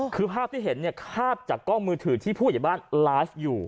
คือภาพที่เห็นเนี่ยภาพจากกล้องมือถือที่ผู้ใหญ่บ้านไลฟ์อยู่